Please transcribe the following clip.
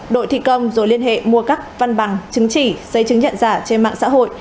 đội thi công rồi liên hệ mua các văn bằng chứng chỉ giấy chứng nhận giả trên mạng xã hội